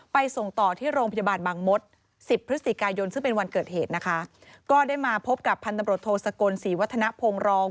ส่งต่อที่โรงพยาบาลบางมศ๑๐พฤศจิกายนซึ่งเป็นวันเกิดเหตุนะคะก็ได้มาพบกับพันธบรตโทสกลศรีวัฒนภงรอง